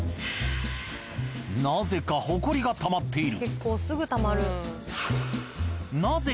なぜかホコリがたまっている。